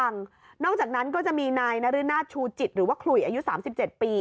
นอกจากนั้นก็จะมีนายนรนาศชูจิตหรือว่าขลุยอายุ๓๗ปี